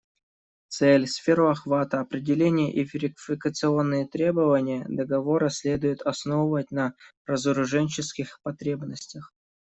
Цель, сферу охвата, определение и верификационные требования договора следует основывать на разоруженческих потребностях.